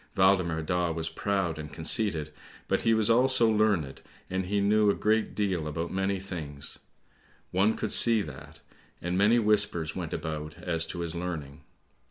Waldemar Daa was proud and conceited, but he was also learned, and he knew a great deal about many things. One could see that, and many whispers went about as to his learning.